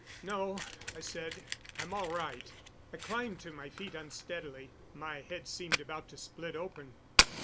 "No," I said. "I'm all right." I climbed to my feet unsteadily; my head seemed about to split open.